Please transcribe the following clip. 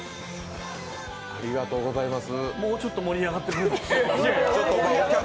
もうちょっと盛り上がってくれます？